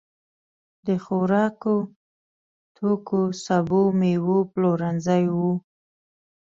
د خوراکتوکو، سبو، مېوو پلورنځي وو.